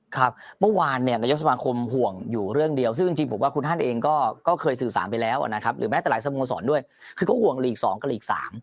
ครับเมื่อวานเนี่ยนายกสมาคมห่วงอยู่เรื่องเดียวซึ่งจริงผมว่าคุณท่านเองก็เคยสื่อสารไปแล้วนะครับหรือแม้แต่หลายสโมสรด้วยคือก็ห่วงหลีก๒กับหลีก๓